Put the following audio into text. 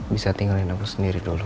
bisa tinggalin aku sendiri dulu